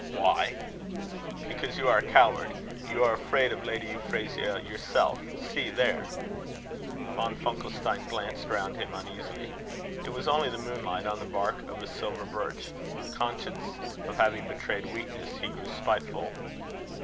"Why?" "Because you are a coward. You are afraid of Lady Euphrasia yourself. See there!" Von Funkelstein glanced round him uneasily. It was only the moonlight on the bark of a silver birch. Conscious of having betrayed weakness, he grew spiteful.